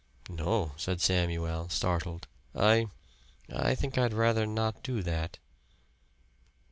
"No," said Samuel, startled. "I I think I'd rather not do that."